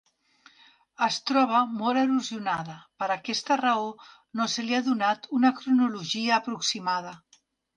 Es troba molt erosionada, per aquesta raó no se li ha donat una cronologia aproximada.